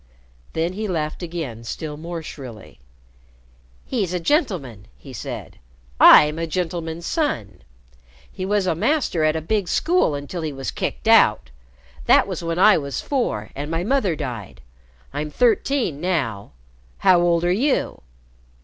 Then he laughed again still more shrilly. "He's a gentleman," he said. "I'm a gentleman's son. He was a Master at a big school until he was kicked out that was when I was four and my mother died. I'm thirteen now. How old are you?"